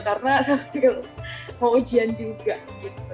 karena sambil mau ujian juga gitu